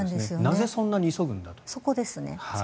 なぜそんなに急ぐんですかと。